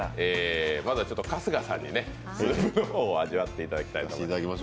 まずは春日さんに味わっていただきたいと思います。